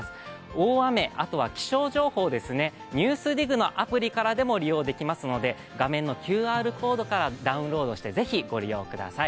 大雨、あとは気象情報、「ＮＥＷＳＤＩＧ」のアプリからでも利用できますので画面のＱＲコードからダウンロードしてぜひご利用ください。